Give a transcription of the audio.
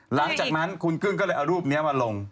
หลังจากนั้นคุณกึ้งก็เลยเอารูปนี้มาลง